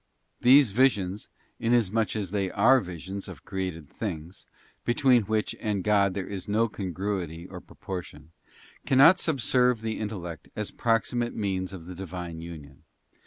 These visions, inasmuch as they are visions of created things, between which and God there is no congruity or proportion, cannot subserve the intellect as proximate means of the Divine union.